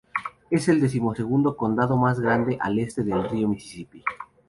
Es el decimosegundo condado más grande al este del río Misisipi.